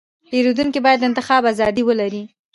پیرودونکی باید د انتخاب ازادي ولري.